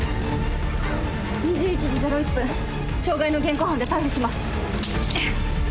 ２１時０１分傷害の現行犯で逮捕します。